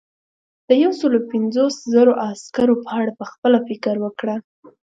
د یو سلو پنځوس زرو عسکرو په اړه پخپله فکر وکړه.